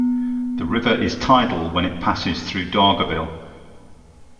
The river is tidal when it passes through Dargaville.